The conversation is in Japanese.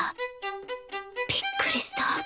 びっくりした。